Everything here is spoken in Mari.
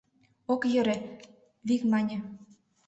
— Ок йӧрӧ, — вик мане.